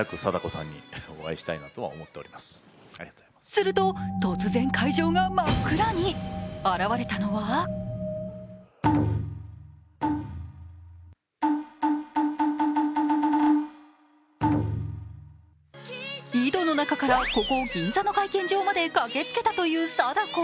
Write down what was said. すると、突然会場が真っ暗に、現れたのは井戸の中から、ここ銀座の会見場まで駆けつけたという貞子。